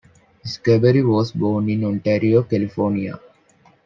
Scarbury was born in Ontario, California.